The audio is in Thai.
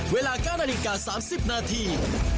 เวลา๙นาฬิกา๓๐นาที